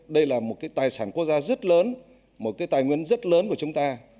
đây là một cái tài sản quốc gia rất lớn một cái tài nguyên rất lớn của chúng ta